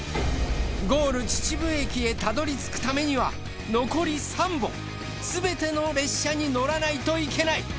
ゴール秩父駅へたどり着くためには残り３本全ての列車に乗らないといけない。